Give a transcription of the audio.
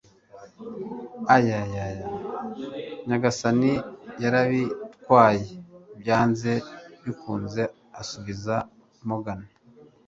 Ay, ay, nyagasani, yarabitwaye, byanze bikunze,' asubiza Morgan